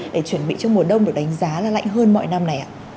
để chuẩn bị cho mùa đông được đánh giá là lạnh hơn mọi năm này ạ